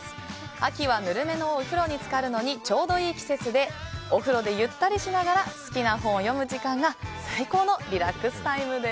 秋はぬるめのお風呂に浸かるのにちょうどいい季節でお風呂でゆったりとしながら好きな本を読む時間が最高のリラックスタイムです。